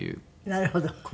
なるほど。